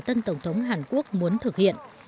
tân tổng thống hàn quốc muốn thực hiện